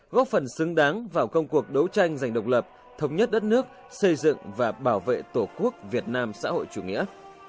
góp phần xứng đáng vào công cuộc đấu tranh giành độc lập thống nhất đất nước xây dựng và bảo vệ tổ quốc việt nam xã hội chủ nghĩa